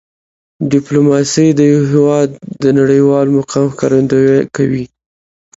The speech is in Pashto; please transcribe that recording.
ډیپلوماسي د یو هېواد د نړیوال مقام ښکارندویي کوي.